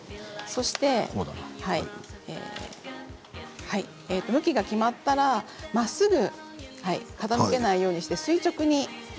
そして向きが決まったらまっすぐ傾けないようにして垂直に。